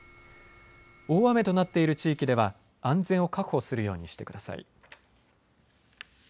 大雨となっている地域では安全を確保するようにしてください。